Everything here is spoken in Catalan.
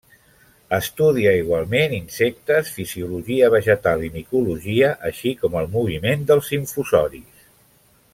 Estudia igualment insectes, fisiologia vegetal i micologia, així com el moviment dels infusoris.